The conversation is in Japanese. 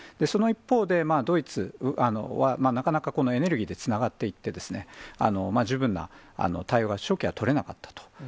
その一方で、ドイツはなかなかエネルギーでつながっていて、十分な対応が、初期は取れなかったと。